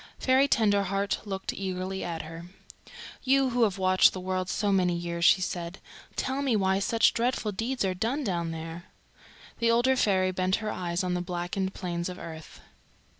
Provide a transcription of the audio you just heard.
Fairy Tenderheart looked eagerly at her. "You who have watched the world so many years," she said, "tell me why such dreadful deeds are done down there." The older fairy bent her eyes on the blackened plains of earth.